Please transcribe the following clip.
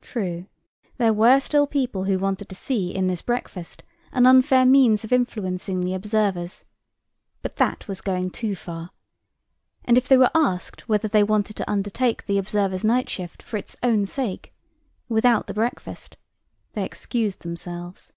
True, there were still people who wanted to see in this breakfast an unfair means of influencing the observers, but that was going too far, and if they were asked whether they wanted to undertake the observers' night shift for its own sake, without the breakfast, they excused themselves.